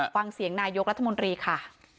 ฟังเสียงนายกรัฐมนตรีค่ะ